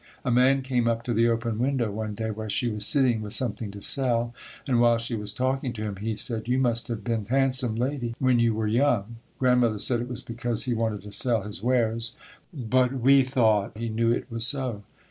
A man came up to the open window one day where she was sitting, with something to sell, and while she was talking to him he said, "You must have been handsome, lady, when you were young." Grandmother said it was because he wanted to sell his wares, but we thought he knew it was so.